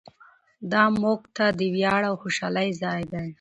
دا موږ ته د ویاړ او خوشحالۍ ځای دی.